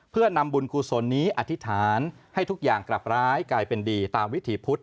เพื่อนำบุญกุศลนี้อธิษฐานให้ทุกอย่างกลับร้ายกลายเป็นดีตามวิถีพุทธ